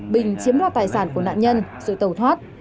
bình chiếm ra tài sản của nạn nhân rồi tàu thoát